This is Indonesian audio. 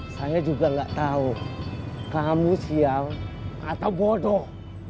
saya juga gak tau kamu sial atau bodoh